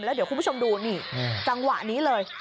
แล้วเดี๋ยวคุณผู้ชมดูนี่จังหวะนี้เลย